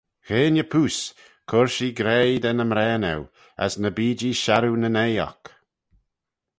Gheiney-poost, cur-jee graih da ny mraane eu, as ny bee-jee sharroo nyn'oi oc.